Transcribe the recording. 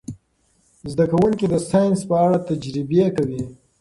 زده کوونکي د ساینس په اړه تجربې کوي.